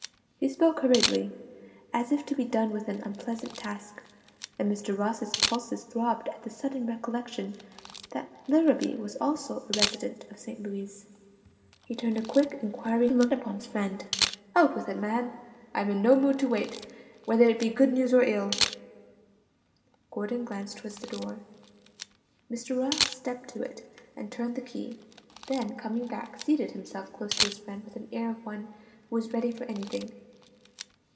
He spoke hurriedly, as if to be done with an unpleasant task, and Mr. Ross's pulses throbbed at the sudden recollection that Larrabee also was a resident of St. Louis. He turned a quick, inquiring look upon his friend. "Out with it, man! I'm in no mood to wait, whether it be good news or ill." Gordon glanced toward the door. Mr. Ross stepped to it and turned the key; then coming back, seated himself close to his friend with the air of one who is ready for anything.